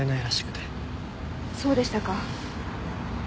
そうでしたか。